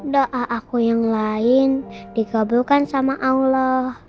doa aku yang lain dikabulkan sama allah